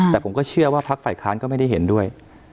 แต่ผมก็เชื่อว่าพักฝ่ายค้านก็ไม่ได้เห็นด้วย